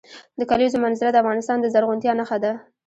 د کلیزو منظره د افغانستان د زرغونتیا نښه ده.